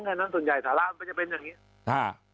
อันนั้นส่วนใหญ่ฐานะมันจะเป็นอย่างนี้